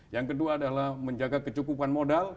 yang kedua adalah menjaga kecukupan modal